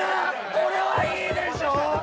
これはいいでしょ！